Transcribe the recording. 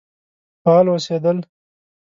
فعال اوسېدل.